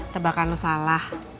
tebakan lo salah